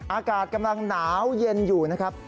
อากาศกำลังหนาวเย็นอยู่นะครับ